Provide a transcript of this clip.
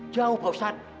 jauh pak ustadz